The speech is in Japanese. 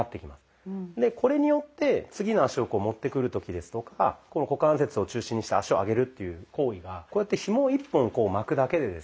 でこれによって次の足をこう持ってくる時ですとかこの股関節を中心にした足を上げるっていう行為がこうやってひもを１本こう巻くだけでですね